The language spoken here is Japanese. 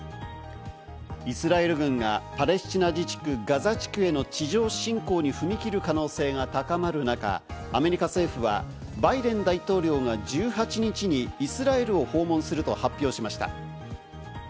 イスラエル軍がパレスチナ自治区、ガザ地区への地上侵攻に踏み切る可能性が高まる中、アメリカ政府はバイデン大統領が１８日にイスラエルを訪問すると発表しました。